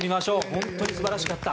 本当に素晴らしかった。